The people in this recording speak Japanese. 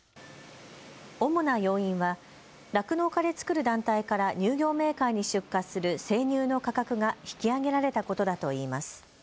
主な要因は酪農家で作る団体から乳業メーカーに出荷する生乳の価格が引き上げられたことだといいます。